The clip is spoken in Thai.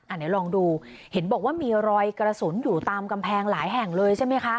อันนี้ลองดูเห็นบอกว่ามีรอยกระสุนอยู่ตามกำแพงหลายแห่งเลยใช่ไหมคะ